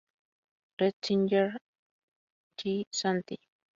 Ratzinger J., Santi.